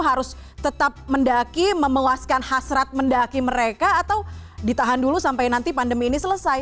harus tetap mendaki memelaskan hasrat mendaki mereka atau ditahan dulu sampai nanti pandemi ini selesai